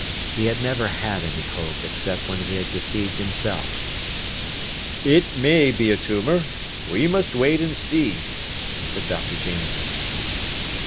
He had never had any hope, except when he had deceived himself. "It may be a tumour; we must wait and see," said Dr. Jameson.